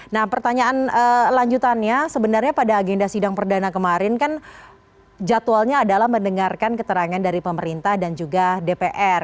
nah pertanyaan lanjutannya sebenarnya pada agenda sidang perdana kemarin kan jadwalnya adalah mendengarkan keterangan dari pemerintah dan juga dpr